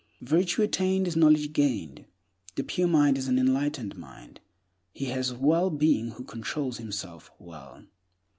Virtue attained is knowledge gained. The pure mind is an enlightened mind. He has well being who controls himself well.